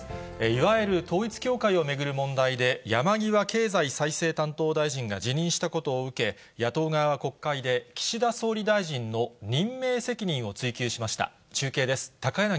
いわゆる統一教会を巡る問題で、山際経済再生担当大臣が辞任したことを受け、野党側は国会で、岸田総理大臣の任命責任を追及しました。